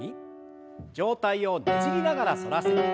上体をねじりながら反らせて。